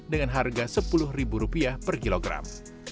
dengan harga rp sepuluh per kilogram